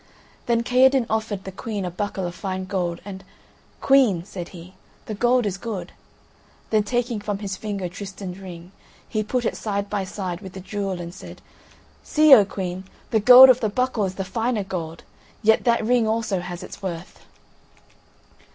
Then Kaherdin offered the Queen a buckle of fine gold; and "Queen," said he, "the gold is good." Then taking from his finger Tristan's ring, he put it side by side with the jewel and said: "See, O Queen, the gold of the buckle is the finer gold; yet that ring also has its worth."